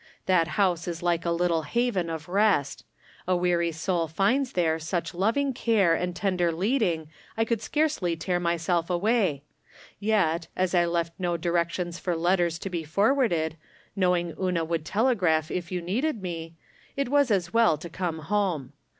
That house is like a little haven of rest. A weary soul finds there such loving care and tender leading I could scarcely tear myseKaway ; yet, as I left no direc tions for letters to be forwarded, knowing Una would telegraph if you needed me, it was as well to come home.